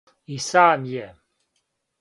И сам је.